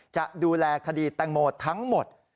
จะดูแลคดีแตงโมทั้งหมด